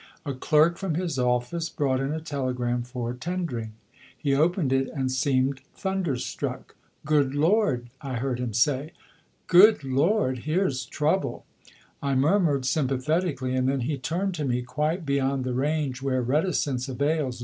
A clerk from his office brought in a telegram for Tendring. He opened it and seemed thunder struck. "Good Lord!" I heard him say. "Good Lord, here's trouble." I murmured sympathetically, and then he turned to me, quite beyond the range where reticence avails.